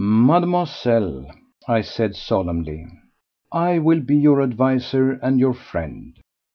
"Mademoiselle," I said solemnly, "I will be your adviser and your friend.